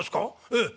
ええ。